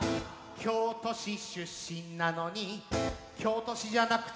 「京都市出身なのに京都市じゃなくて」